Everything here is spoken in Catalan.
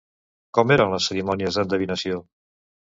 Com eren les cerimònies d'endevinació?